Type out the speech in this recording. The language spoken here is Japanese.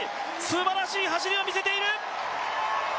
すばらしい走りを見せている！